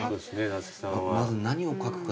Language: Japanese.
まず何を書くかで。